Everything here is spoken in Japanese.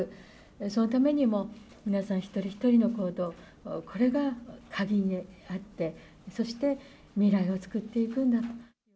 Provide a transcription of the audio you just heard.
そのためにも、皆さん一人一人の行動、これが鍵になって、そして未来を作っていくんだと。